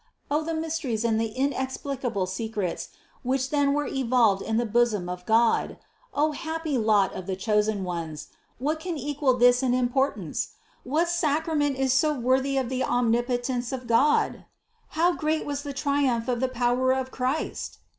Oh the mysteries and the inexplicable secrets, which then were evolved in the bosom of God ! Oh, happy lot of the chosen ones ! What THE CONCEPTION 113 can equal this in importance ! What sacrament is so wor thy of the Omnipotence of God! How great was the triumph of the power of Christ!